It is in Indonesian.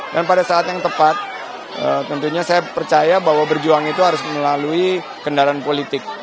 dan pada saat yang tepat tentunya saya percaya bahwa berjuang itu harus melalui kendaraan politik